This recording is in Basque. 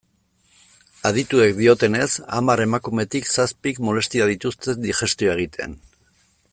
Adituek diotenez, hamar emakumetik zazpik molestiak dituzte digestioa egitean.